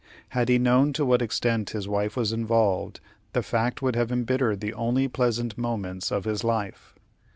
Had he known to what extent his wife was involved, the fact would have embittered the only pleasant moments of his life.